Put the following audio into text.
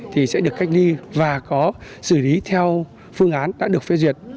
thì sẽ được cách ly và có xử lý theo phương án đã được phê duyệt